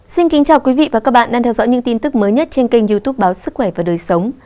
xin kính chào quý vị và các bạn đang theo dõi những tin tức mới nhất trên kênh youtube báo sức khỏe và đời sống